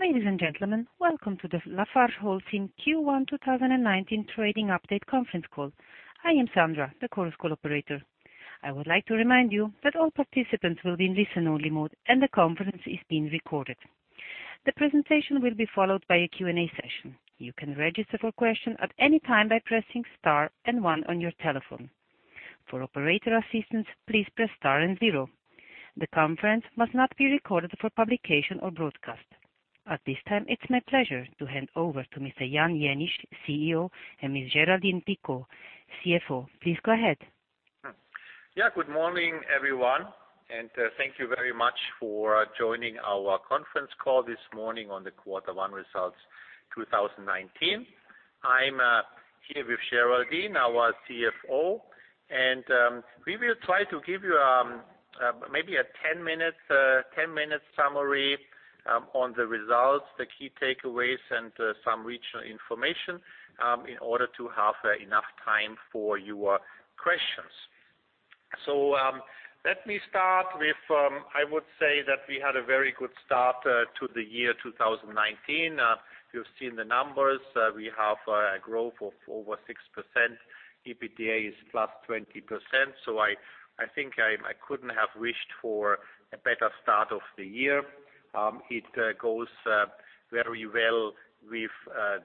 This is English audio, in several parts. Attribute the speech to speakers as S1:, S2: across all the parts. S1: Ladies and gentlemen, welcome to the LafargeHolcim Q1 2019 Trading Update conference call. I am Sandra, the conference call operator. I would like to remind you that all participants will be in listen-only mode, and the conference is being recorded. The presentation will be followed by a Q&A session. You can register for questions at any time by pressing star and one on your telephone. For operator assistance, please press star and zero. The conference must not be recorded for publication or broadcast. At this time, it is my pleasure to hand over to Mr. Jan Jenisch, CEO, and Ms. Géraldine Picaud, CFO. Please go ahead.
S2: Good morning, everyone, and thank you very much for joining our conference call this morning on the Q1 results 2019. I am here with Géraldine, our CFO, and we will try to give you maybe a 10-minute summary on the results, the key takeaways, and some regional information, in order to have enough time for your questions. Let me start with, I would say that we had a very good start to the year 2019. You have seen the numbers. We have a growth of over 6%. EBITDA is +20%. I think I couldn't have wished for a better start of the year. It goes very well with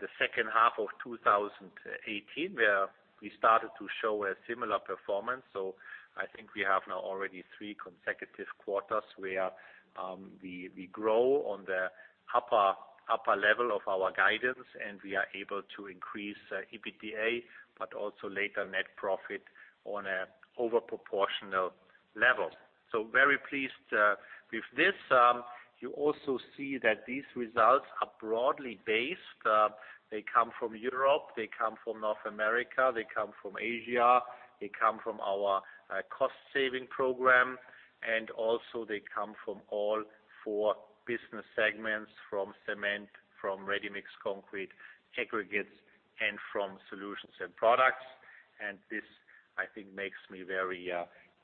S2: the second half of 2018, where we started to show a similar performance. I think we have now already three consecutive quarters where we grow on the upper level of our guidance, and we are able to increase EBITDA, but also later net profit on an overproportional level. Very pleased with this. You also see that these results are broadly based. They come from Europe, they come from North America, they come from Asia, they come from our cost-saving program, and also they come from all four business segments, from cement, from ready-mix concrete, aggregates, and from solutions and products. This, I think, makes me very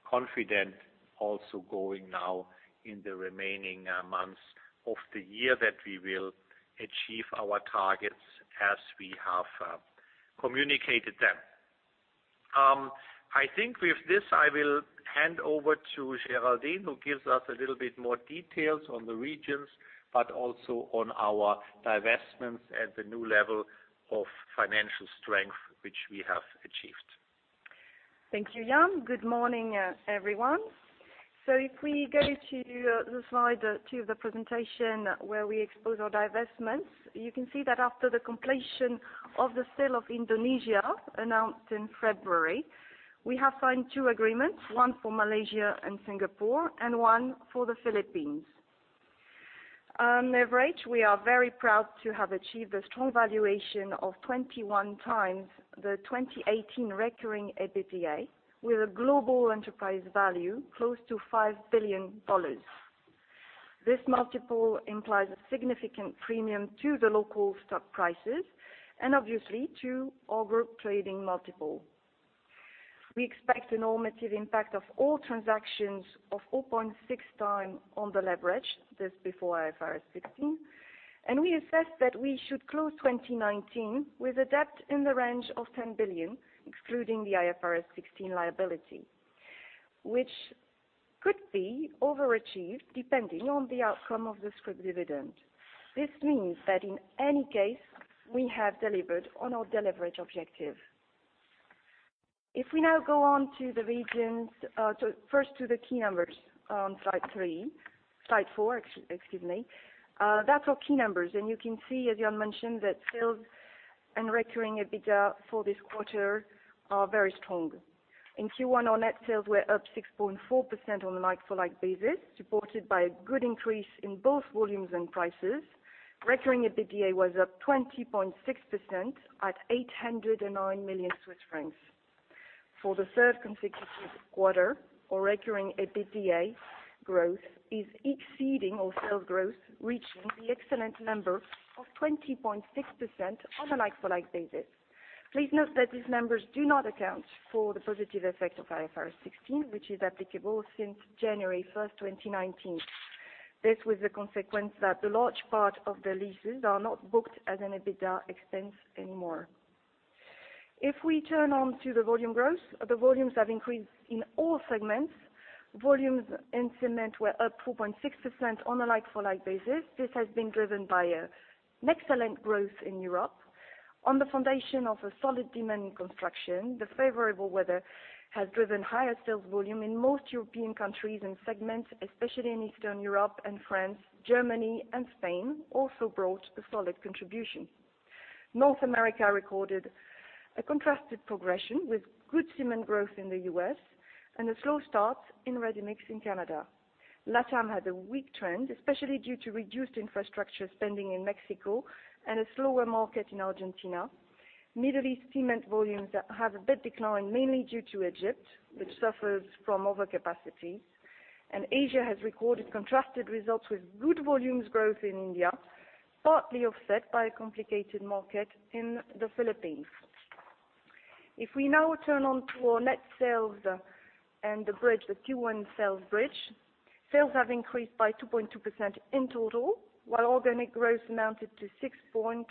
S2: confident also going now in the remaining months of the year that we will achieve our targets as we have communicated them. I think with this, I will hand over to Géraldine, who gives us a little bit more details on the regions, but also on our divestments at the new level of financial strength which we have achieved.
S3: Thank you, Jan. Good morning, everyone. If we go to the slide two of the presentation where we expose our divestments, you can see that after the completion of the sale of Indonesia announced in February, we have signed two agreements, one for Malaysia and Singapore and one for the Philippines. On leverage, we are very proud to have achieved a strong valuation of 21 times the 2018 recurring EBITDA with a global enterprise value close to $5 billion. This multiple implies a significant premium to the local stock prices and obviously to our group trading multiple. We expect a normative impact of all transactions of 0.6 time on the leverage. This is before IFRS 16, we assess that we should close 2019 with a debt in the range of 10 billion, excluding the IFRS 16 liability, which could be overachieved depending on the outcome of the scrip dividend. This means that in any case, we have delivered on our leverage objective. If we now go on to the regions—first to the key numbers on slide three. Slide four, excuse me. That's our key numbers, and you can see, as Jan mentioned, that sales and recurring EBITDA for this quarter are very strong. In Q1, our net sales were up 6.4% on a like-for-like basis, supported by a good increase in both volumes and prices. Recurring EBITDA was up 20.6% at 809 million Swiss francs. For the third consecutive quarter, our recurring EBITDA growth is exceeding our sales growth, reaching the excellent number of 20.6% on a like-for-like basis. Please note that these numbers do not account for the positive effect of IFRS 16, which is applicable since January 1st, 2019. This with the consequence that the large part of the leases are not booked as an EBITDA expense anymore. If we turn on to the volume growth, the volumes have increased in all segments. Volumes in cement were up 2.6% on a like-for-like basis. This has been driven by an excellent growth in Europe on the foundation of a solid demand in construction. The favorable weather has driven higher sales volume in most European countries and segments, especially in Eastern Europe and France. Germany and Spain also brought a solid contribution. North America recorded a contrasted progression with good cement growth in the U.S. and a slow start in ready-mix in Canada. LATAM had a weak trend, especially due to reduced infrastructure spending in Mexico and a slower market in Argentina. Middle East cement volumes have a bit decline, mainly due to Egypt, which suffers from overcapacity, and Asia has recorded contrasted results with good volumes growth in India, partly offset by a complicated market in the Philippines. If we now turn on to our net sales and the bridge, the Q1 sales bridge, sales have increased by 2.2% in total, while organic growth amounted to 6.4%.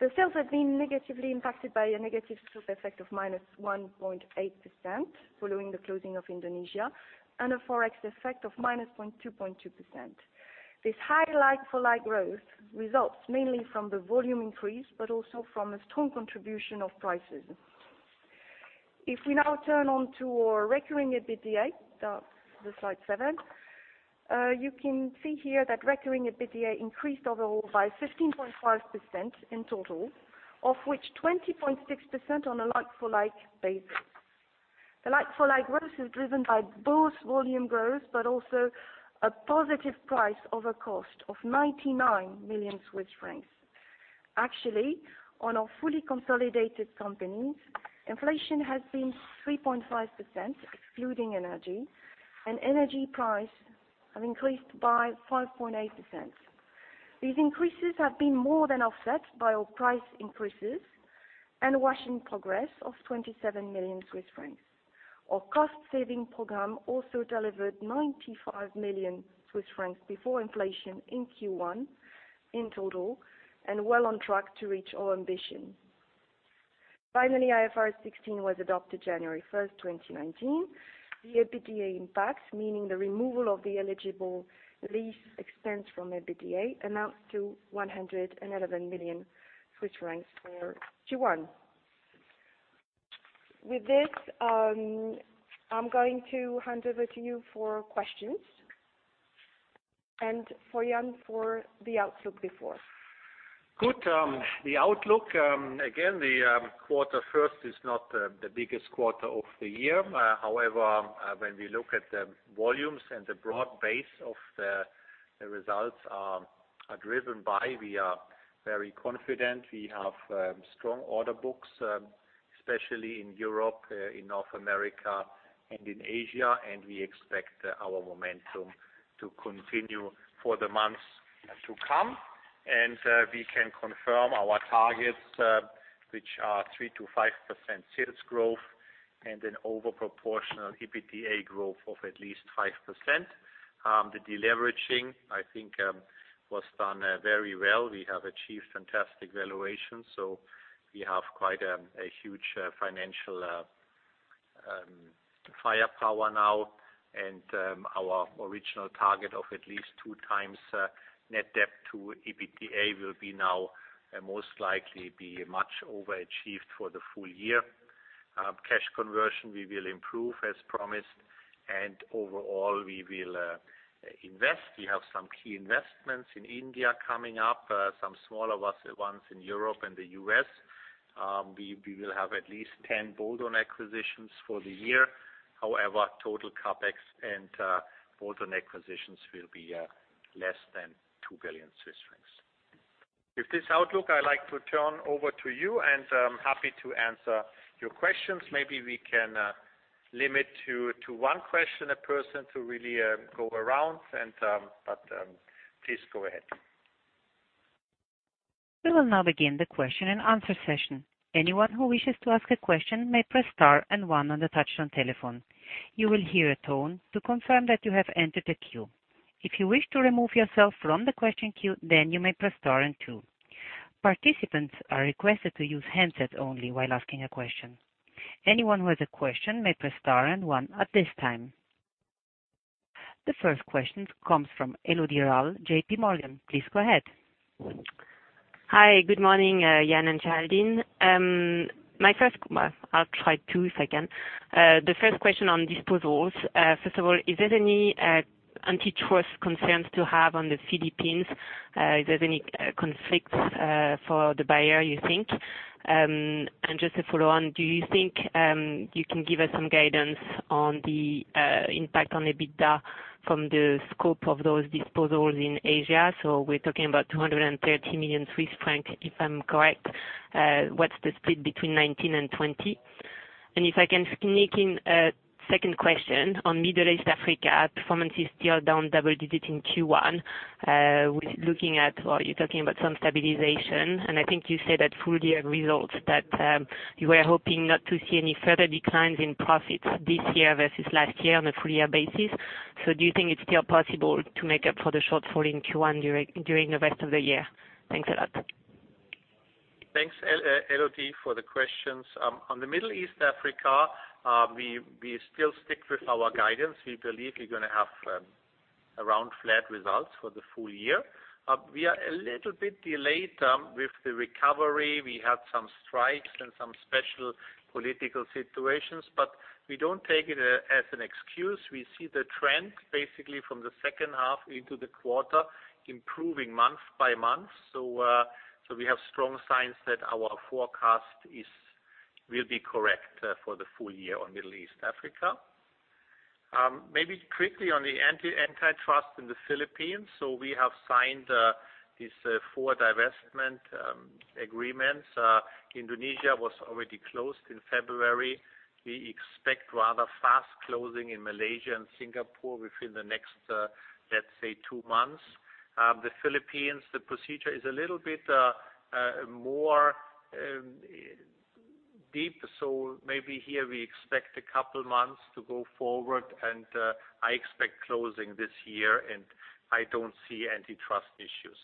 S3: The sales have been negatively impacted by a negative scope effect of -1.8%, following the closing of Indonesia and a Forex effect of -2.2%. This high like-for-like growth results mainly from the volume increase, also from a strong contribution of prices. If we now turn to our recurring EBITDA, slide seven, you can see here that recurring EBITDA increased overall by 15.5% in total, of which 20.6% on a like-for-like basis. The like-for-like growth is driven by both volume growth, but also a positive price over cost of 99 million Swiss francs. Actually, on our fully consolidated companies, inflation has been 3.5%, excluding energy, and energy price have increased by 5.8%. These increases have been more than offset by our price increases and wash-in progress of 27 million Swiss francs. Our cost-saving program also delivered 95 million Swiss francs before inflation in Q1 in total, and well on track to reach our ambition. Finally, IFRS 16 was adopted January 1, 2019. The EBITDA impacts, meaning the removal of the eligible lease expense from EBITDA, amounts to CHF 111 million for Q1. With this, I'm going to hand over to you for questions and for Jan for the outlook before.
S2: The outlook, again, the quarter first is not the biggest quarter of the year. However, when we look at the volumes and the broad base of the results are driven by, we are very confident. We have strong order books, especially in Europe, in North America, and in Asia, and we expect our momentum to continue for the months to come. We can confirm our targets, which are 3%-5% sales growth and an over proportional EBITDA growth of at least 5%. The deleveraging, I think, was done very well. We have achieved fantastic valuation, so we have quite a huge financial firepower now. Our original target of at least 2 times net debt to EBITDA will be now most likely be much overachieved for the full year. Cash conversion, we will improve as promised. Overall, we will invest. We have some key investments in India coming up, some smaller ones in Europe and the U.S. We will have at least 10 bolt-on acquisitions for the year. However, total CapEx and bolt-on acquisitions will be less than 2 billion Swiss francs. With this outlook, I like to turn over to you. I'm happy to answer your questions. Maybe we can limit to one question a person to really go around. Please go ahead.
S1: We will now begin the question and answer session. Anyone who wishes to ask a question may press star and one on the touch-tone telephone. You will hear a tone to confirm that you have entered a queue. If you wish to remove yourself from the question queue, you may press star and two. Participants are requested to use handsets only while asking a question. Anyone with a question may press star and one at this time. The first question comes from Elodie Rall, J.P. Morgan. Please go ahead.
S4: Hi. Good morning, Jan and Géraldine. My first. Well, I'll try two if I can. The first question on disposals. First of all, is there any antitrust concerns to have on the Philippines? Is there any conflicts for the buyer, you think? Just a follow on, do you think you can give us some guidance on the impact on EBITDA from the scope of those disposals in Asia? We're talking about 230 million Swiss francs, if I'm correct. What's the split between 2019 and 2020? If I can sneak in a second question on Middle East, Africa, performance is still down double-digit in Q1. We're looking at, well, you're talking about some stabilization, and I think you said at full year results that you were hoping not to see any further declines in profits this year versus last year on a full year basis. Do you think it's still possible to make up for the shortfall in Q1 during the rest of the year? Thanks a lot.
S2: Thanks, Elodie, for the questions. On the Middle East, Africa, we still stick with our guidance. We believe we're going to have around flat results for the full year. We are a little bit delayed with the recovery. We had some strikes and some special political situations, we don't take it as an excuse. We see the trend basically from the second half into the quarter improving month by month. We have strong signs that our forecast will be correct for the full year on Middle East, Africa. Maybe quickly on the antitrust in the Philippines. We have signed these four divestment agreements. Indonesia was already closed in February. We expect rather fast closing in Malaysia and Singapore within the next, let's say two months. The Philippines, the procedure is a little bit more deep, so maybe here we expect a couple months to go forward, and I expect closing this year, and I don't see antitrust issues.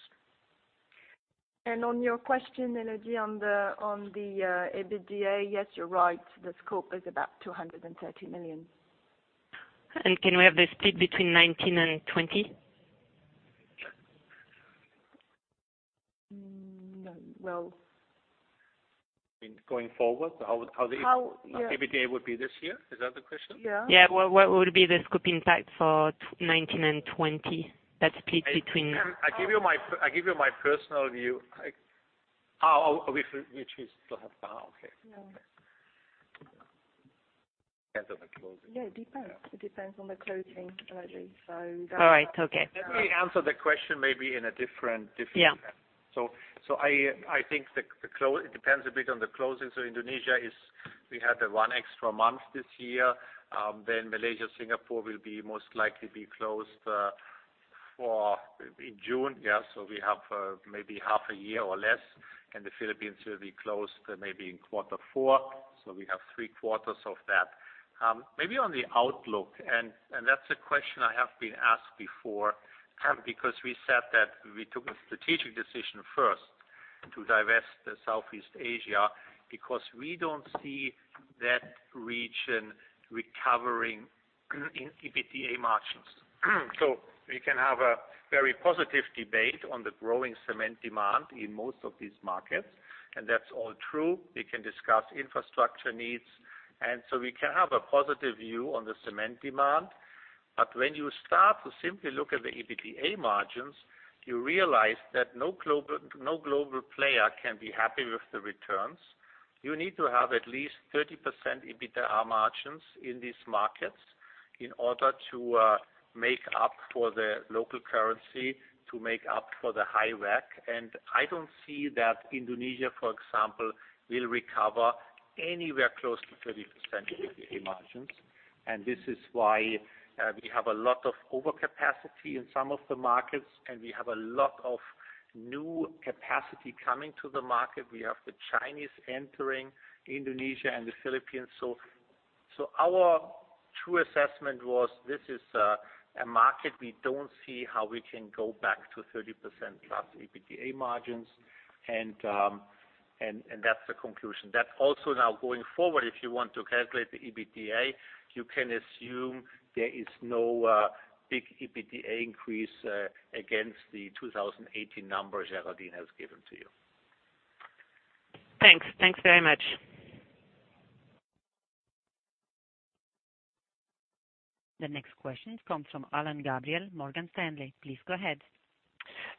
S3: On your question, Elodie, on the EBITDA, yes, you're right. The scope is about 230 million.
S4: Can we have the split between 2019 and 2020?
S3: Well.
S2: Going forward, how-
S3: Yeah.
S2: EBITDA would be this year? Is that the question?
S3: Yeah.
S4: Yeah. What would be the scope impact for 2019 and 2020, that split between-
S2: I give you my personal view. Which is to have that, okay.
S3: Yeah.
S2: Depends on the closing.
S3: Yeah, it depends. It depends on the closing, already.
S4: All right. Okay.
S2: Let me answer the question maybe in a different way.
S4: Yeah.
S2: I think it depends a bit on the closings, Indonesia is, we had the one extra month this year. Malaysia, Singapore will be most likely be closed in June. We have maybe half a year or less, and the Philippines will be closed maybe in quarter four, so we have three quarters of that. Maybe on the outlook, that's a question I have been asked before, because we said that we took a strategic decision first to divest Southeast Asia, because we don't see that region recovering in EBITDA margins. We can have a very positive debate on the growing cement demand in most of these markets, that's all true. We can discuss infrastructure needs, we can have a positive view on the cement demand. When you start to simply look at the EBITDA margins, you realize that no global player can be happy with the returns. You need to have at least 30% EBITDA margins in these markets in order to make up for the local currency, to make up for the high WACC. I don't see that Indonesia, for example, will recover anywhere close to 30% EBITDA margins. This is why we have a lot of overcapacity in some of the markets, we have a lot of new capacity coming to the market. We have the Chinese entering Indonesia and the Philippines. Our true assessment was, this is a market we don't see how we can go back to 30%-plus EBITDA margins, that's the conclusion. That also now going forward, if you want to calculate the EBITDA, you can assume there is no big EBITDA increase against the 2018 numbers Géraldine has given to you.
S4: Thanks. Thanks very much.
S1: The next question comes from Alain Gabriel, Morgan Stanley. Please go ahead.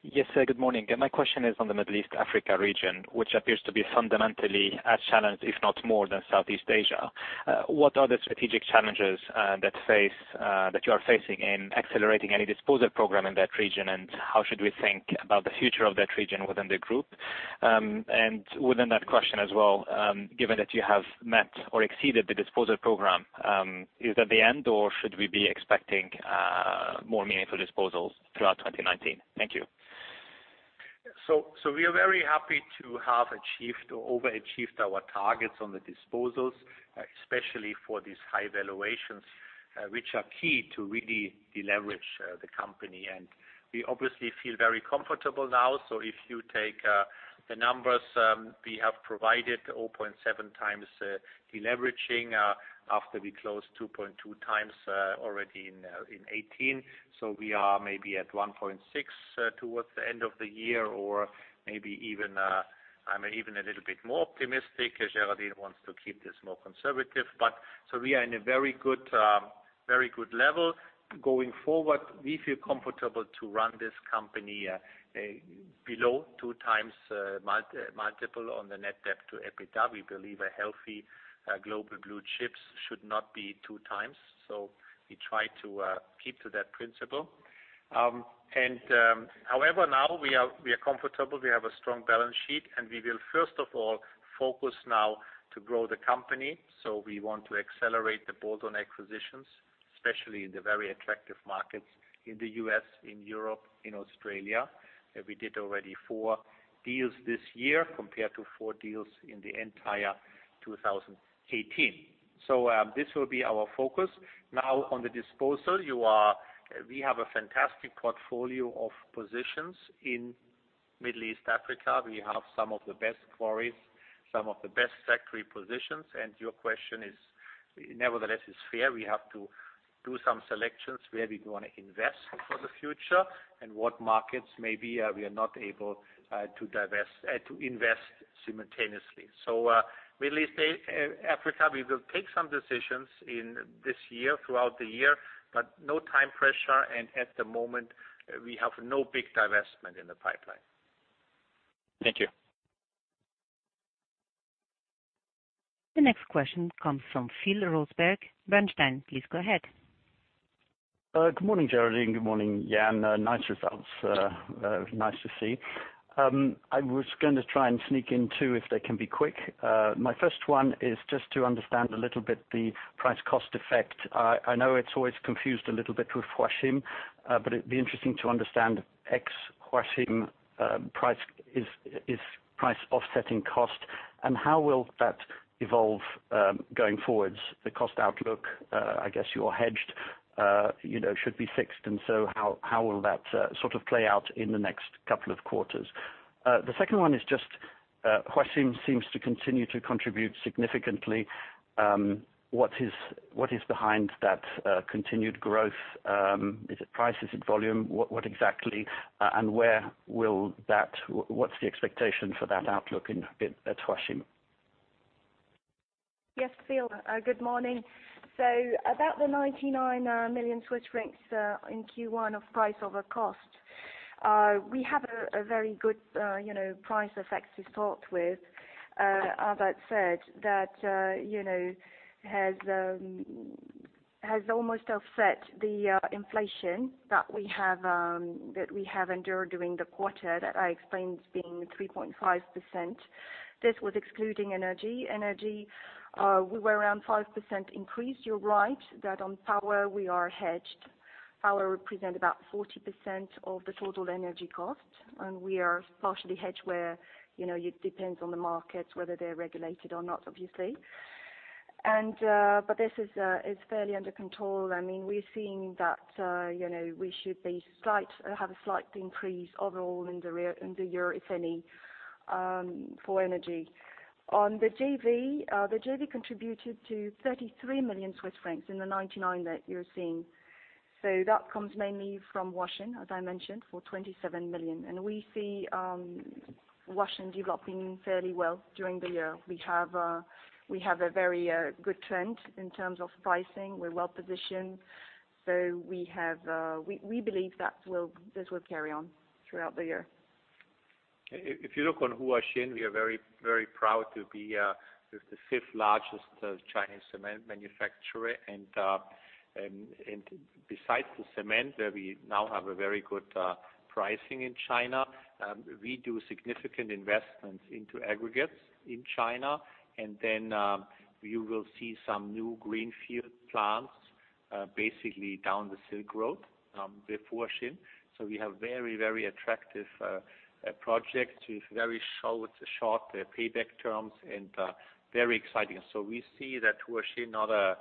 S5: Yes, good morning. My question is on the Middle East, Africa region, which appears to be fundamentally as challenged, if not more, than Southeast Asia. What are the strategic challenges that you are facing in accelerating any disposal program in that region, and how should we think about the future of that region within the group? Within that question as well, given that you have met or exceeded the disposal program, is that the end or should we be expecting more meaningful disposals throughout 2019? Thank you.
S2: We are very happy to have achieved or over-achieved our targets on the disposals, especially for these high valuations, which are key to really deleverage the company. We obviously feel very comfortable now. If you take the numbers we have provided, 0.7x deleveraging, after we closed 2.2 times already in 2018. We are maybe at 1.6 towards the end of the year or maybe even, I'm even a little bit more optimistic, as Géraldine wants to keep this more conservative, we are in a very good level. Going forward, we feel comfortable to run this company below two times multiple on the net debt to EBITDA. We believe a healthy global blue chips should not be two times. We try to keep to that principle. However, now we are comfortable. We have a strong balance sheet, we will first of all focus now to grow the company. We want to accelerate the bolt-on acquisitions, especially in the very attractive markets in the U.S., in Europe, in Australia. We did already four deals this year compared to four deals in the entire 2018. This will be our focus. Now on the disposal, we have a fantastic portfolio of positions in Middle East, Africa. We have some of the best quarries, some of the best factory positions, your question is, nevertheless, is fair. We have to do some selections where we want to invest for the future and what markets maybe we are not able to invest simultaneously. Middle East, Africa, we will take some decisions in this year, throughout the year, but no time pressure, and at the moment, we have no big divestment in the pipeline.
S5: Thank you.
S1: The next question comes from Phil Roseberg, Bernstein. Please go ahead.
S6: Good morning, Géraldine. Good morning, Jan. Nice results. Nice to see. I was going to try and sneak in two if they can be quick. My first one is just to understand a little bit the price cost effect. I know it's always confused a little bit with Huaxin, but it'd be interesting to understand ex Huaxin is price offsetting cost, and how will that evolve going forwards, the cost outlook? I guess you are hedged, should be fixed, and so how will that play out in the next couple of quarters? The second one is just, Huaxin seems to continue to contribute significantly. What is behind that continued growth? Is it price? Is it volume? What exactly, and what's the expectation for that outlook at Huaxin?
S3: Yes, Phil. Good morning. About the 99 million Swiss francs in Q1 of price over cost. We have a very good price effect to start with. Albert said that has almost offset the inflation that we have endured during the quarter that I explained as being 3.5%. This was excluding energy. Energy, we were around 5% increase. You're right that on power, we are hedged. Power represent about 40% of the total energy cost, and we are partially hedged where it depends on the market, whether they're regulated or not, obviously. This is fairly under control. We're seeing that we should have a slight increase overall in the year, if any, for energy. On the JV, the JV contributed to 33 million Swiss francs in the 99 that you're seeing. That comes mainly from Huaxin, as I mentioned, for 27 million. We see Huaxin developing fairly well during the year. We have a very good trend in terms of pricing. We're well-positioned. We believe that this will carry on throughout the year.
S2: If you look on Huaxin, we are very proud to be the fifth largest Chinese cement manufacturer. Besides the cement, where we now have a very good pricing in China, we do significant investments into aggregates in China, you will see some new greenfield plants basically down the Silk Road with Huaxin. We have very attractive projects with very short payback terms and very exciting. We see that Huaxin, not a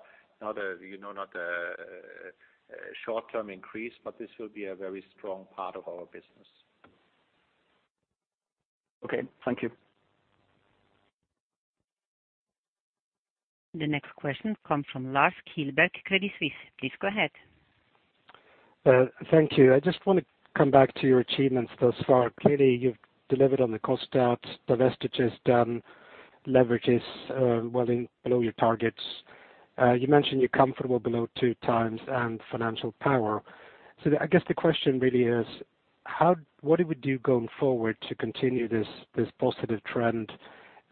S2: short-term increase, but this will be a very strong part of our business.
S6: Okay. Thank you.
S1: The next question comes from Lars Kjellberg, Credit Suisse. Please go ahead.
S7: Thank you. I just want to come back to your achievements thus far. Clearly, you've delivered on the cost out, divestitures done, leverage is well below your targets. You mentioned you're comfortable below two times and financial power. I guess the question really is, what do we do going forward to continue this positive trend,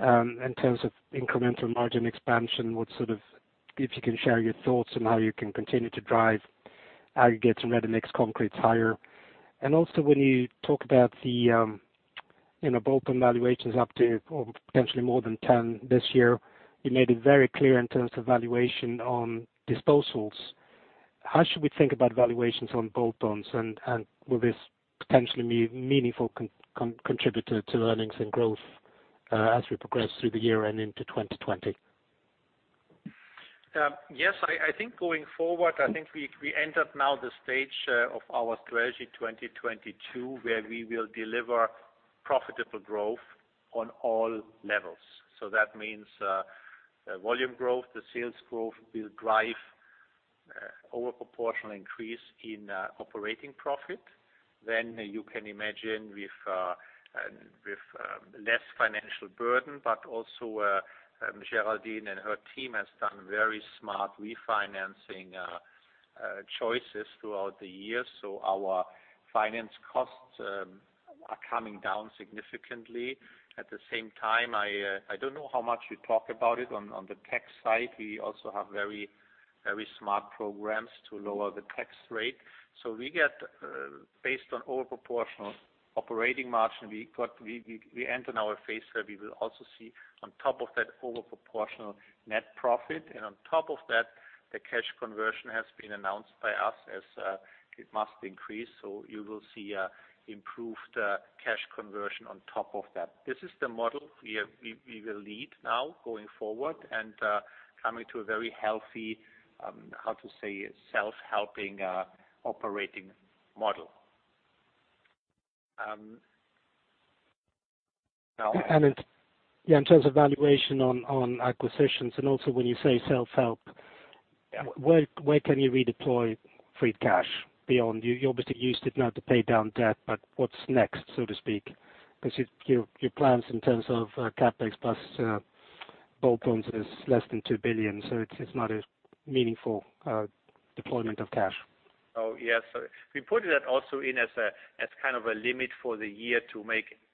S7: in terms of incremental margin expansion? If you can share your thoughts on how you can continue to drive aggregates and ready-mix concrete higher. Also, when you talk about the bolt-on valuations up to potentially more than 10 this year, you made it very clear in terms of valuation on disposals. How should we think about valuations on bolt-ons, and will this potentially be a meaningful contributor to earnings and growth as we progress through the year and into 2022?
S2: Yes, I think going forward, I think we entered now the stage of our Strategy 2022, where we will deliver profitable growth on all levels. That means volume growth, the sales growth will drive overproportional increase in operating profit. You can imagine with less financial burden, but also Géraldine and her team has done very smart refinancing choices throughout the year. Our finance costs are coming down significantly. At the same time, I don't know how much we talk about it on the tax side. We also have very smart programs to lower the tax rate. Based on overproportional operating margin, we enter now a phase where we will also see on top of that, overproportional net profit. On top of that, the cash conversion has been announced by us as it must increase. You will see improved cash conversion on top of that. This is the model we will lead now going forward and coming to a very healthy, how to say it, self-helping operating model.
S7: In terms of valuation on acquisitions, also when you say self-help, where can you redeploy free cash? You obviously used it now to pay down debt, but what's next, so to speak? Your plans in terms of CapEx plus bolt-ons is less than 2 billion, so it's not a meaningful deployment of cash.
S2: Oh, yes. We put that also in as a limit for the year to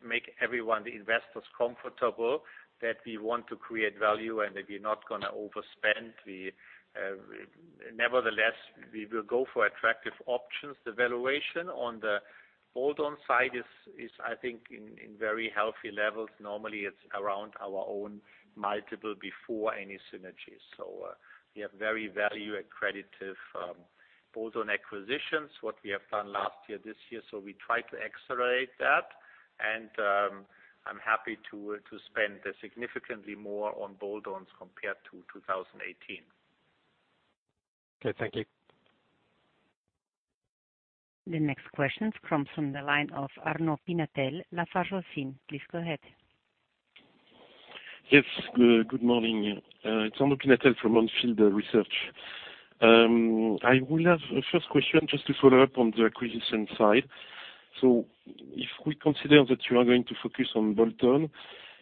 S2: make everyone, the investors, comfortable that we want to create value and that we're not going to overspend. Nevertheless, we will go for attractive options. The valuation on the add-on side is, I think, in very healthy levels. Normally, it's around our own multiple before any synergies. We have very value accredited add-on acquisitions, what we have done last year, this year. We try to accelerate that, and I'm happy to spend significantly more on add-ons compared to 2018.
S7: Okay, thank you.
S1: The next question comes from the line of Arnaud Pinatel, LafargeHolcim. Please go ahead.
S8: Yes. Good morning. It's Arnaud Pinatel from On Field Investment Research. I will have a first question just to follow up on the acquisition side. If we consider that you are going to focus on add-on,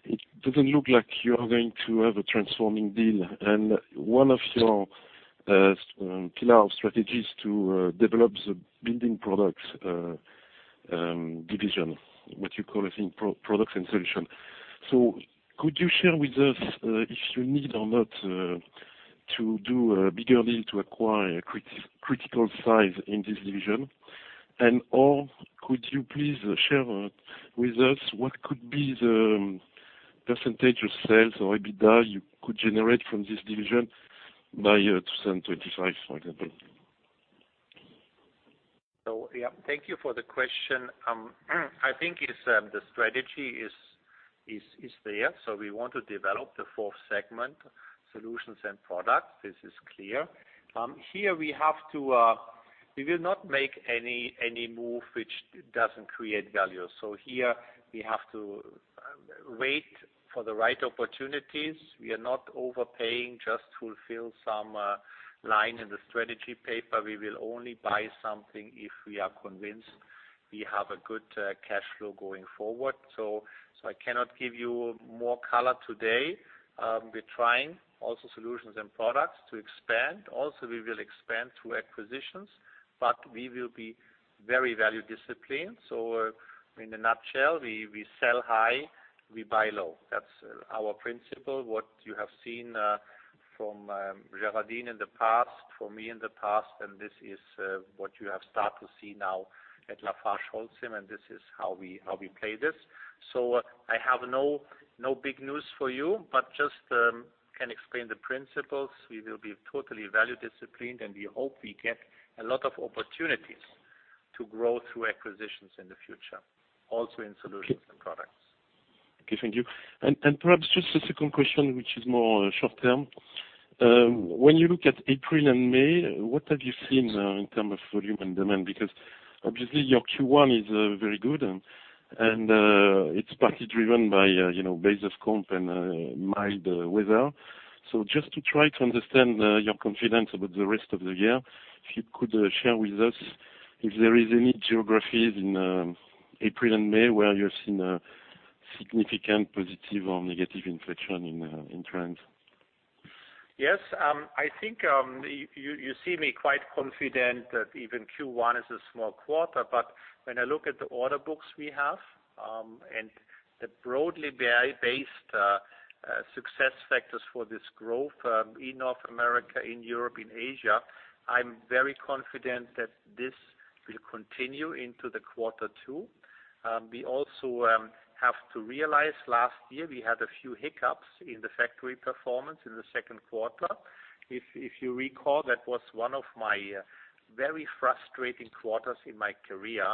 S8: it doesn't look like you are going to have a transforming deal. One of your pillar strategies to develop the building products division, what you call, I think, products and solution. Could you share with us if you need or not to do a bigger deal to acquire a critical size in this division? Or could you please share with us what could be the percentage of sales or EBITDA you could generate from this division by 2025, for example?
S2: Yeah. Thank you for the question. I think the strategy is there. We want to develop the fourth segment, solutions and products. This is clear. Here we will not make any move which doesn't create value. Here we have to wait for the right opportunities. We are not overpaying just to fulfill some line in the strategy paper. We will only buy something if we are convinced we have a good cash flow going forward. I cannot give you more color today. We're trying, also solutions and products to expand. Also, we will expand through acquisitions, but we will be very value-disciplined. In a nutshell, we sell high, we buy low. That's our principle. What you have seen from Géraldine in the past, from me in the past, this is what you have start to see now at LafargeHolcim, this is how we play this. I have no big news for you, but just can explain the principles. We will be totally value-disciplined, and we hope we get a lot of opportunities to grow through acquisitions in the future, also in solutions and products.
S8: Okay. Thank you. Perhaps just a second question, which is more short-term. When you look at April and May, what have you seen in terms of volume and demand? Because obviously your Q1 is very good and it's partly driven by base of comp and mild weather. Just to try to understand your confidence about the rest of the year, if you could share with us if there is any geographies in April and May where you've seen a significant positive or negative inflection in trends.
S2: Yes. I think you see me quite confident that even Q1 is a small quarter, but when I look at the order books we have, and the broadly very based success factors for this growth in North America, in Europe, in Asia, I'm very confident that this will continue into the quarter two. We also have to realize last year we had a few hiccups in the factory performance in the second quarter. If you recall, that was one of my very frustrating quarters in my career,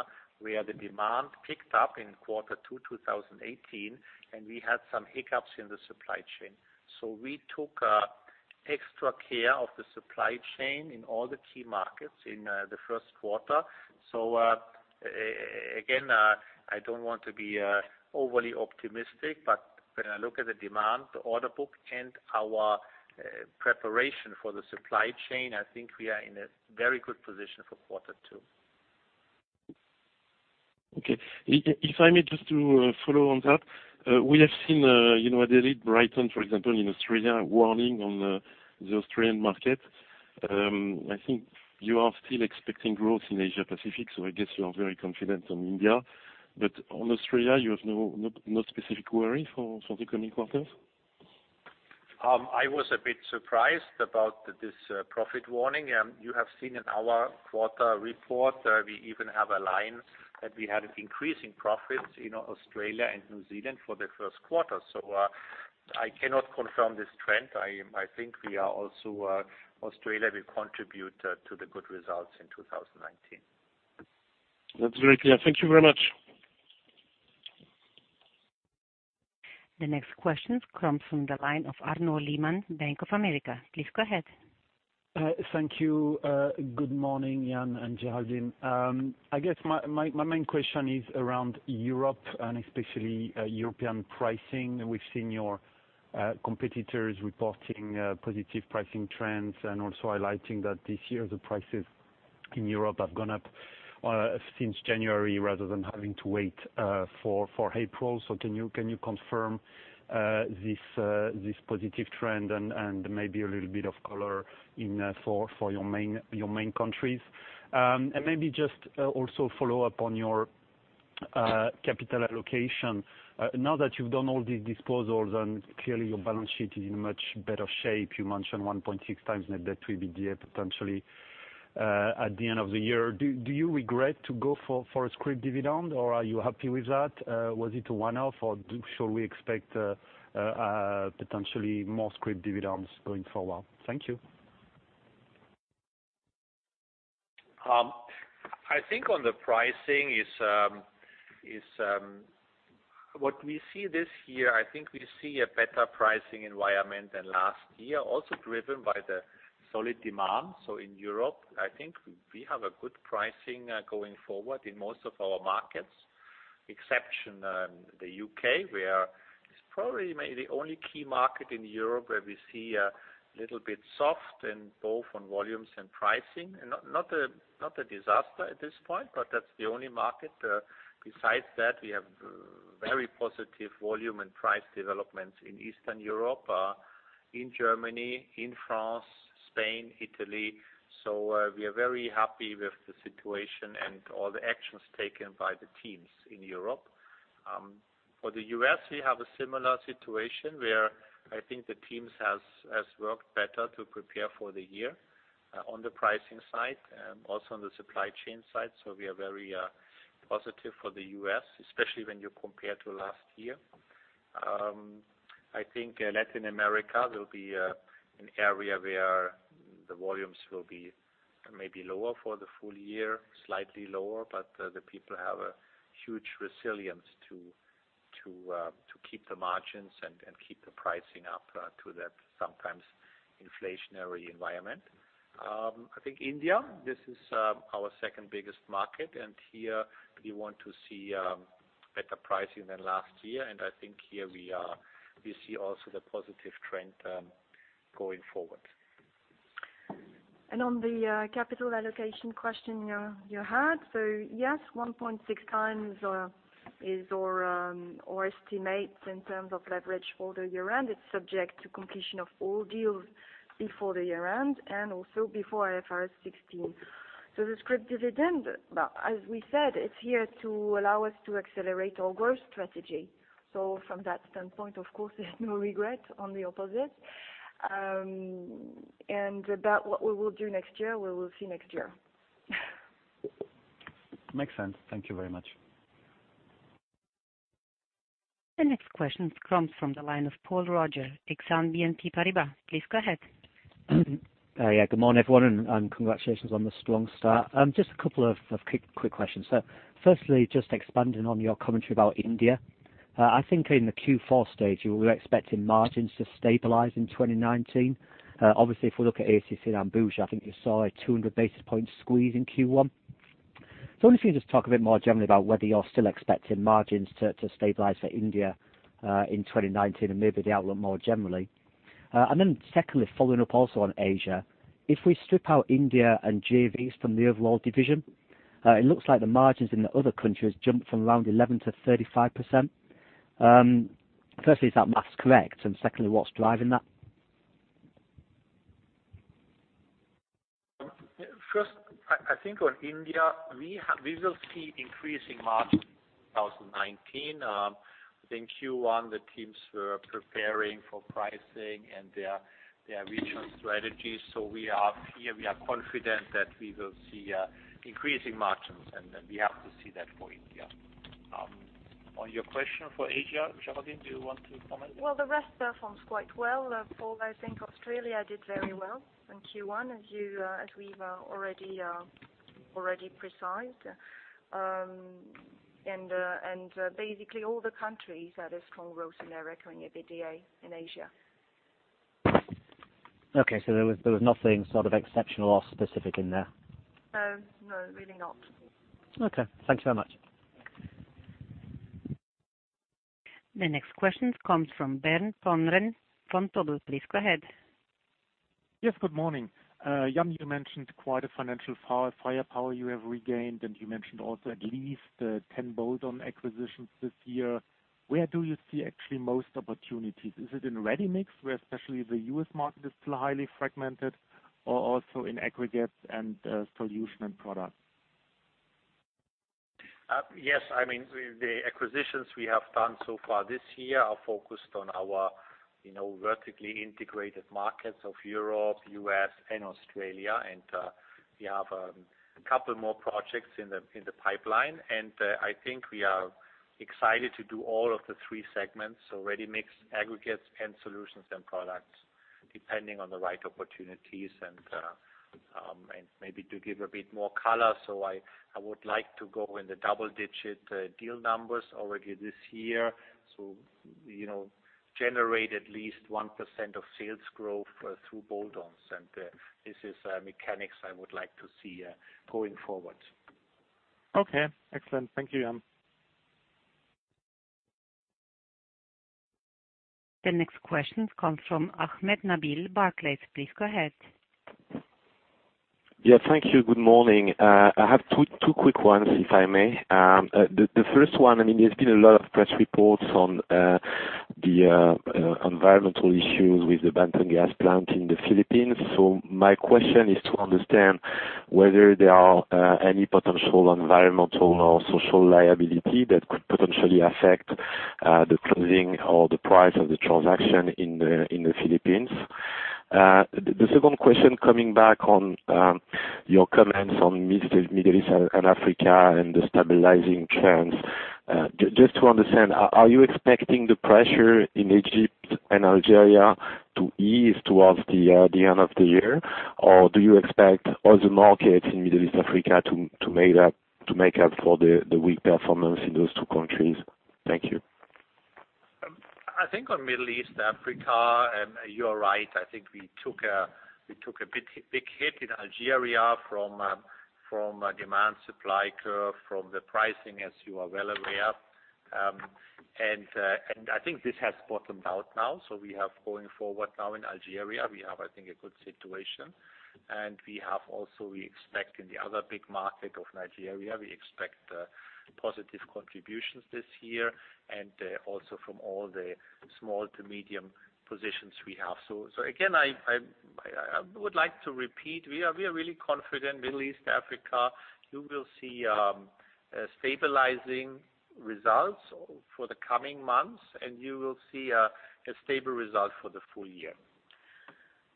S2: where the demand picked up in quarter two, 2018, and we had some hiccups in the supply chain. We took extra care of the supply chain in all the key markets in the first quarter. Again, I don't want to be overly optimistic, but when I look at the demand, the order book and our preparation for the supply chain, I think we are in a very good position for quarter two.
S8: Okay. If I may just to follow on that, we have seen Boral Brighton, for example, in Australia, warning on the Australian market. I think you are still expecting growth in Asia Pacific, so I guess you are very confident on India. On Australia, you have no specific worry for the coming quarters?
S2: I was a bit surprised about this profit warning. You have seen in our quarter report, we even have a line that we had increasing profits in Australia and New Zealand for the first quarter. I cannot confirm this trend. I think Australia will contribute to the good results in 2019.
S8: That's very clear. Thank you very much.
S1: The next question comes from the line of Arnaud Lehmann, Bank of America. Please go ahead.
S9: Thank you. Good morning, Jan and Géraldine. I guess my main question is around Europe and especially European pricing. We've seen your competitors reporting positive pricing trends and also highlighting that this year the prices in Europe have gone up since January rather than having to wait for April. Can you confirm this positive trend and maybe a little bit of color for your main countries? Maybe just also follow up on your capital allocation. Now that you've done all these disposals and clearly your balance sheet is in much better shape. You mentioned 1.6 times net debt to EBITDA, potentially, at the end of the year. Do you regret to go for a scrip dividend, or are you happy with that? Was it a one-off, or shall we expect, potentially more scrip dividends going forward? Thank you.
S2: I think on the pricing, what we see this year, I think we see a better pricing environment than last year, also driven by the solid demand. In Europe, I think we have a good pricing going forward in most of our markets. Exception, the U.K., where it's probably maybe the only key market in Europe where we see a little bit soft in both on volumes and pricing. Not a disaster at this point, but that's the only market. Besides that, we have very positive volume and price developments in Eastern Europe, in Germany, in France, Spain, Italy. We are very happy with the situation and all the actions taken by the teams in Europe. For the U.S., we have a similar situation where I think the teams has worked better to prepare for the year on the pricing side, also on the supply chain side. We are very positive for the U.S., especially when you compare to last year. I think Latin America will be an area where the volumes will be maybe lower for the full year, slightly lower, but the people have a huge resilience to keep the margins and keep the pricing up to that sometimes inflationary environment. I think India, this is our second biggest market, and here we want to see better pricing than last year. I think here we see also the positive trend going forward.
S3: On the capital allocation question you had. Yes, 1.6x is our estimate in terms of leverage for the year-end. It's subject to completion of all deals before the year-end and also before IFRS 16. The scrip dividend, as we said, it's here to allow us to accelerate our growth strategy. From that standpoint, of course, there's no regret, on the opposite. About what we will do next year, we will see next year.
S9: Makes sense. Thank you very much.
S1: The next question comes from the line of Paul Roger, Exane BNP Paribas. Please go ahead.
S10: Yeah. Good morning, everyone, and congratulations on the strong start. Just a couple of quick questions. Firstly, just expanding on your commentary about India. I think in the Q4 stage, you were expecting margins to stabilize in 2019. Obviously, if we look at ACC and Ambuja, I think you saw a 200 basis point squeeze in Q1. I wonder if you can just talk a bit more generally about whether you're still expecting margins to stabilize for India in 2019 and maybe the outlook more generally. Secondly, following up also on Asia. If we strip out India and JVs from the overall division, it looks like the margins in the other countries jumped from around 11% to 35%. Firstly, is that math correct? Secondly, what's driving that?
S2: First, I think on India, we will see increasing margins in 2019. I think Q1, the teams were preparing for pricing and their regional strategies. Here we are confident that we will see increasing margins, and we have to see that for India. On your question for Asia, Géraldine, do you want to comment?
S3: Well, the rest performs quite well, Paul. I think Australia did very well in Q1, as we've already precised. Basically, all the countries had a strong growth in their recurring EBITDA in Asia.
S10: Okay, there was nothing sort of exceptional or specific in there.
S3: No. Really not.
S10: Okay. Thank you so much.
S1: The next question comes from Bernd Pomrehn from [ODDO BHF]. Please go ahead.
S11: Yes, good morning. Jan, you mentioned quite a financial firepower you have regained, and you mentioned also at least 10 bolt-on acquisitions this year. Where do you see actually most opportunities? Is it in ready-mix, where especially the U.S. market is still highly fragmented, or also in aggregates and solution and products?
S2: Yes. The acquisitions we have done so far this year are focused on our vertically integrated markets of Europe, U.S., and Australia. We have a couple more projects in the pipeline, and I think we are excited to do all of the three segments, so ready-mix, aggregates, and solutions and products, depending on the right opportunities. Maybe to give a bit more color, I would like to go in the double-digit deal numbers already this year. Generate at least 1% of sales growth through bolt-ons, and this is a mechanics I would like to see going forward.
S11: Okay. Excellent. Thank you, Jan.
S1: The next question comes from Nabil Ahmed, Barclays. Please go ahead.
S12: Yeah, thank you. Good morning. I have two quick ones, if I may. The first one, there's been a lot of press reports on the environmental issues with the Bataan power plant in the Philippines. My question is to understand whether there are any potential environmental or social liability that could potentially affect the closing or the price of the transaction in the Philippines. The second question coming back on your comments on Middle East and Africa and the stabilizing trends. Just to understand, are you expecting the pressure in Egypt and Algeria to ease towards the end of the year? Or do you expect other markets in Middle East, Africa, to make up for the weak performance in those two countries? Thank you.
S2: I think on Middle East, Africa, you are right. I think we took a big hit in Algeria from a demand supply curve, from the pricing, as you are well aware. I think this has bottomed out now. We have going forward now in Algeria, we have, I think, a good situation. We have also, we expect in the other big market of Nigeria, we expect positive contributions this year and also from all the small to medium positions we have. Again, I would like to repeat, we are really confident Middle East, Africa, you will see stabilizing results for the coming months, and you will see a stable result for the full year.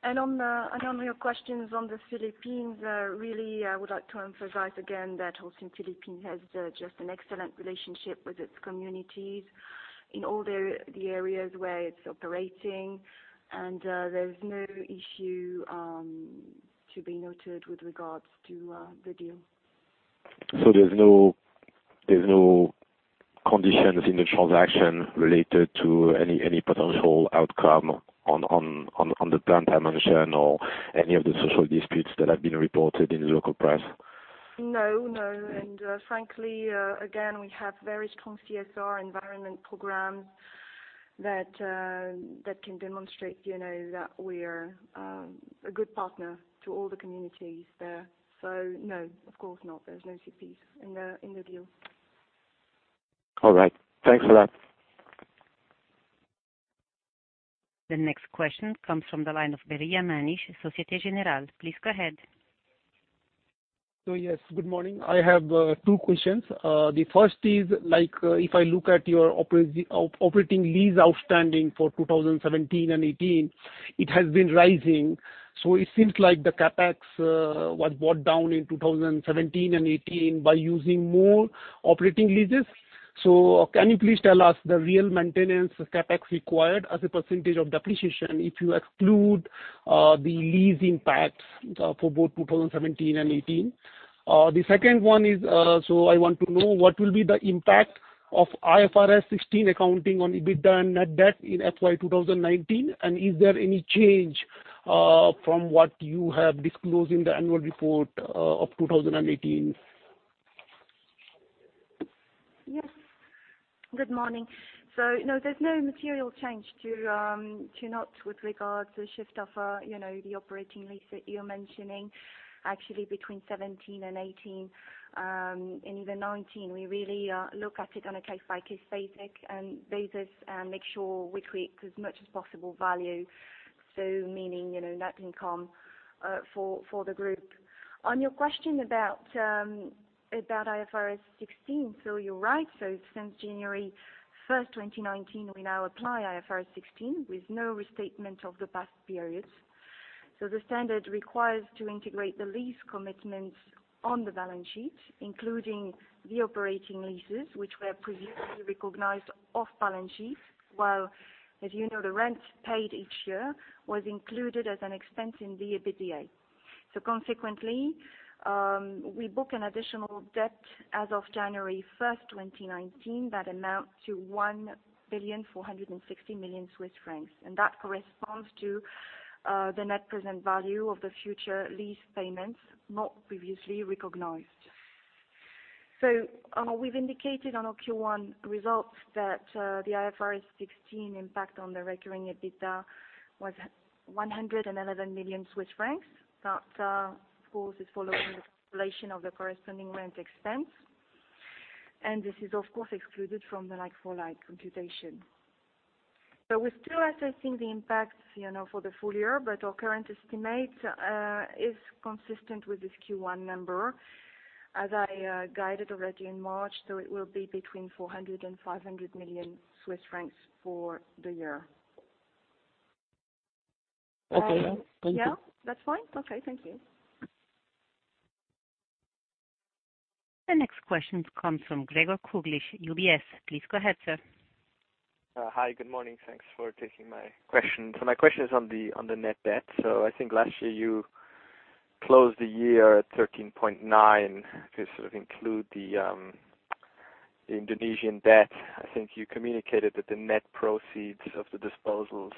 S3: On your questions on the Philippines, really, I would like to emphasize again that Holcim Philippines has just an excellent relationship with its communities in all the areas where it's operating. There's no issue to be noted with regards to the deal.
S12: There's no conditions in the transaction related to any potential outcome on the plant dimension or any of the social disputes that have been reported in the local press?
S3: No. Frankly, again, we have very strong CSR environment program that can demonstrate that we're a good partner to all the communities there. No, of course not, there's no CPS in the deal.
S12: All right. Thanks a lot.
S1: The next question comes from the line of [Brijesh Siya], Societe Generale. Please go ahead.
S13: Yes. Good morning. I have two questions. The first is, if I look at your operating lease outstanding for 2017 and 2018, it has been rising. It seems like the CapEx was brought down in 2017 and 2018 by using more operating leases. Can you please tell us the real maintenance CapEx required as a percentage of depreciation if you exclude the lease impacts for both 2017 and 2018? The second one is, I want to know what will be the impact of IFRS 16 accounting on EBITDA and net debt in FY 2019, and is there any change from what you have disclosed in the annual report of 2018?
S3: Yes. Good morning. No, there's no material change to note with regards to shift of the operating lease that you're mentioning. Actually, between 2017 and 2018, and even 2019, we really look at it on a case-by-case basis and make sure we create as much as possible value. Meaning, net income for the group. On your question about IFRS 16, you're right. Since January 1st, 2019, we now apply IFRS 16 with no restatement of the past periods. The standard requires to integrate the lease commitments on the balance sheet, including the operating leases, which were previously recognized off balance sheet. While as you know, the rents paid each year was included as an expense in the EBITDA. Consequently, we book an additional debt as of January 1st, 2019 that amount to 1,460 million Swiss francs. That corresponds to the net present value of the future lease payments not previously recognized. We've indicated on our Q1 results that the IFRS 16 impact on the recurring EBITDA was 111 million Swiss francs. That, of course, is following the calculation of the corresponding rent expense. This is, of course, excluded from the like-for-like computation. We're still assessing the impact for the full year, but our current estimate is consistent with this Q1 number, as I guided already in March, it will be between 400 million-500 million Swiss francs for the year.
S13: Okay. Thank you.
S3: Yeah. That's fine? Okay. Thank you.
S1: The next question comes from Gregor Kuglitsch, UBS. Please go ahead, sir.
S14: Hi. Good morning. Thanks for taking my question. My question is on the net debt. I think last year you closed the year at 13.9 to sort of include the Indonesian debt. I think you communicated that the net proceeds of the disposals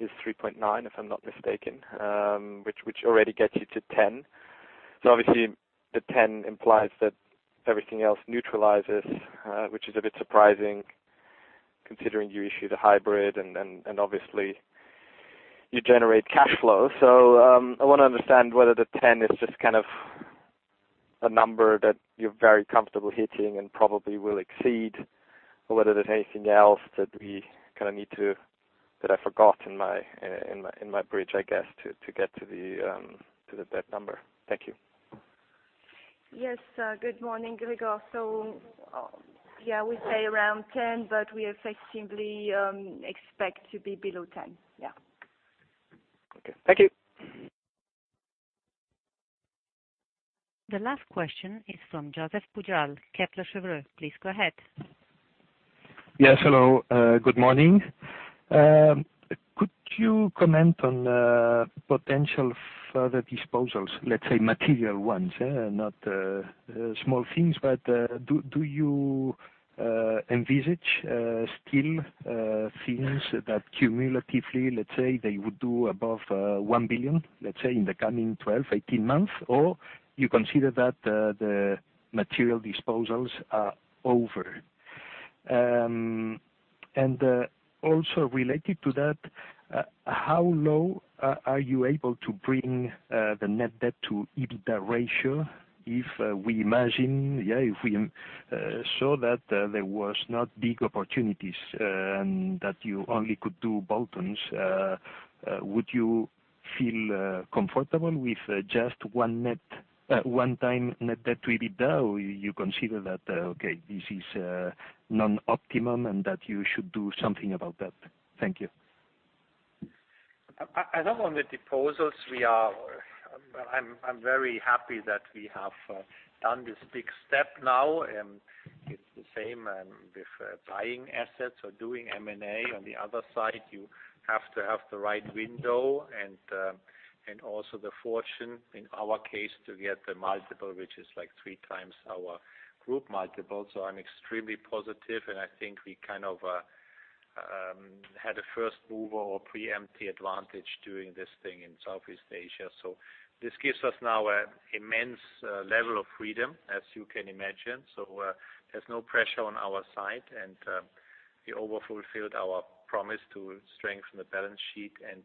S14: is 3.9, if I'm not mistaken, which already gets you to 10. Obviously the 10 implies that everything else neutralizes, which is a bit surprising considering you issue the hybrid and obviously you generate cash flow. I want to understand whether the 10 is just kind of A number that you're very comfortable hitting and probably will exceed, or whether there's anything else that I forgot in my bridge, I guess, to get to the debt number. Thank you.
S3: Yes. Good morning, Gregor. Yeah, we say around 10, but we effectively expect to be below 10. Yeah.
S14: Okay. Thank you.
S1: The last question is from Josep Pujal, Kepler Cheuvreux. Please go ahead.
S15: Yes, hello. Good morning. Could you comment on potential further disposals, let's say material ones, not small things, but do you envisage still things that cumulatively, let's say they would do above 1 billion, let's say in the coming 12, 18 months? You consider that the material disposals are over? Also related to that, how low are you able to bring the net debt to EBITDA ratio? If we saw that there was no big opportunities, and that you only could do bolt-ons, would you feel comfortable with just one-time net debt to EBITDA, or you consider that, okay, this is non-optimum and that you should do something about that? Thank you.
S2: I know on the disposals, I'm very happy that we have done this big step now, and it's the same with buying assets or doing M&A on the other side. You have to have the right window and also the fortune, in our case, to get the multiple, which is like three times our group multiple. I'm extremely positive, and I think we had a first mover or preempt advantage doing this thing in Southeast Asia. This gives us now an immense level of freedom, as you can imagine. There's no pressure on our side, we overfulfilled our promise to strengthen the balance sheet, and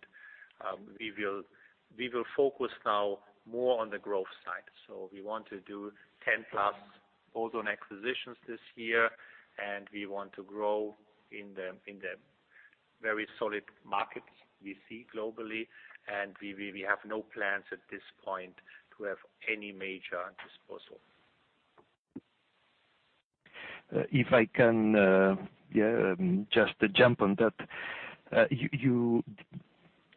S2: we will focus now more on the growth side. We want to do 10 plus bolt-on acquisitions this year, we want to grow in the very solid markets we see globally, and we have no plans at this point to have any major disposal.
S15: If I can just jump on that. You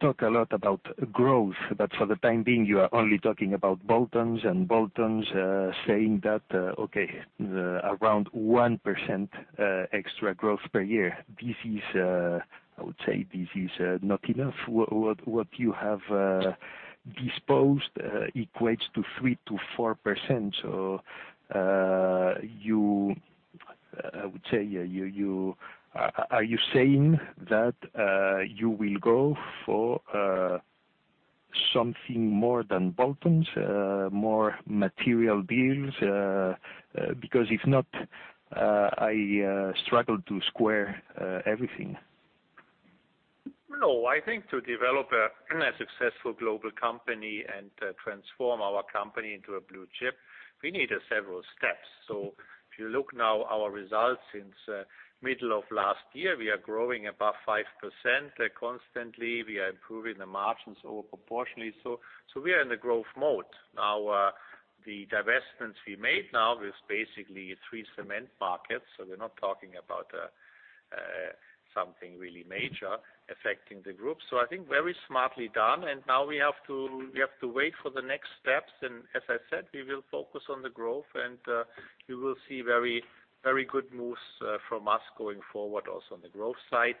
S15: talk a lot about growth, for the time being, you are only talking about bolt-ons and bolt-ons saying that, okay, around 1% extra growth per year. I would say this is not enough. What you have disposed equates to 3%-4%. I would say, are you saying that you will go for something more than bolt-ons, more material deals? Because if not, I struggle to square everything.
S2: No, I think to develop a successful global company and transform our company into a blue chip, we needed several steps. If you look now our results since middle of last year, we are growing above 5% constantly. We are improving the margins proportionately. We are in the growth mode. The divestments we made now is basically three cement markets, we're not talking about something really major affecting the group. I think very smartly done, now we have to wait for the next steps, as I said, we will focus on the growth and you will see very good moves from us going forward also on the growth side.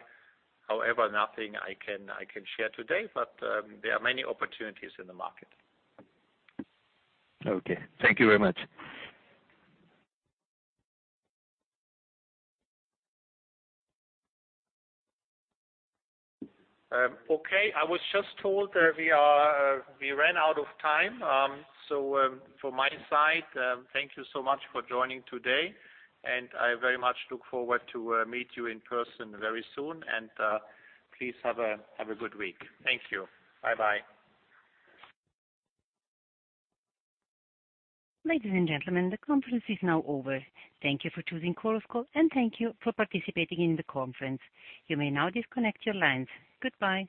S2: However, nothing I can share today, but there are many opportunities in the market.
S15: Okay. Thank you very much.
S2: Okay. I was just told we ran out of time. From my side, thank you so much for joining today, and I very much look forward to meet you in person very soon. Please have a good week. Thank you. Bye-bye.
S1: Ladies and gentlemen, the conference is now over. Thank you for choosing Chorus Call, and thank you for participating in the conference. You may now disconnect your lines. Goodbye.